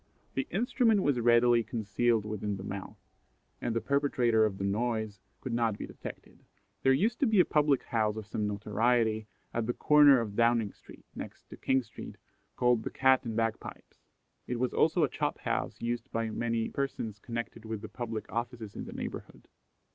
The instrument was readily concealed within the mouth, and the perpetrator of the noise could not be detected. There used to be a public house of some notoriety at the corner of Downing street, next to King street, called the "Cat and Bagpipes." It was also a chop house used by many persons connected with the public offices in the neighbourhood.